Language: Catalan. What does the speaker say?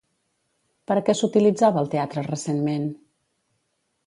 Per a què s'utilitzava el teatre recentment?